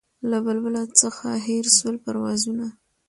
له بلبله څخه هېر سول پروازونه